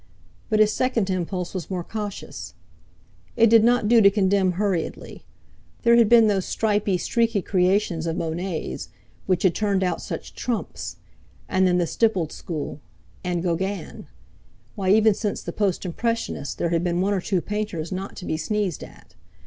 But his second impulse was more cautious. It did not do to condemn hurriedly. There had been those stripey, streaky creations of Monet's, which had turned out such trumps; and then the stippled school; and Gauguin. Why, even since the Post Impressionists there had been one or two painters not to be sneezed at.